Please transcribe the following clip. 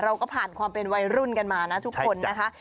เราก็ผ่านความเป็นวัยรุ่นกันมานะทุกคนนะคะ